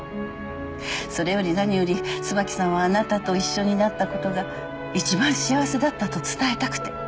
それより何より椿さんはあなたと一緒になったことが一番幸せだったと伝えたくて。